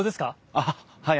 ああはい。